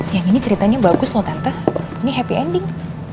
yang ini ceritanya bagus loh karte ini happy ending